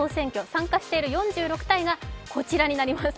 参加している４６体がこちらになります。